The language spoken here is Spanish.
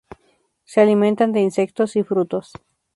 Se alimentan de insectos y frutos.